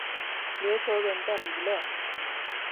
琉球人的弥勒。